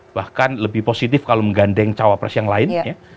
bahkan lebih positif kalau menggandeng cawapres yang lain ya